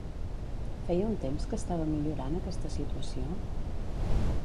Feia un temps que estava millorant aquesta situació?